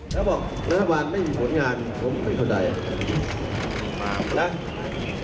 จะบอกรัฐบาลไม่มีผลงานเป็นคนใด